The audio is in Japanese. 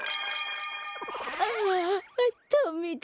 ああダメだ。